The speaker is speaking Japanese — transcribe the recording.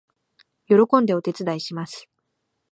喜んでお手伝いします